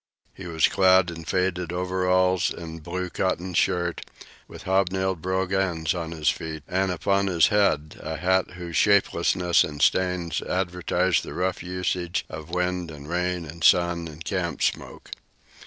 He was clad in faded overalls and black cotton shirt, with hobnailed brogans on his feet, and on his head a hat whose shapelessness and stains advertised the rough usage of wind and rain and sun and camp smoke.